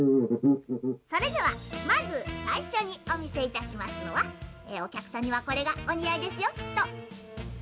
それではまずさいしょにおみせいたしますのはおきゃくさんにはこれがおにあいですよきっと」。